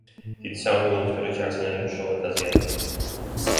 დიდი სამამულო ომის პერიოდში არსენალი მნიშვნელოვნად დაზიანდა.